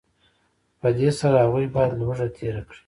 په دې سره هغوی باید لوږه تېره کړي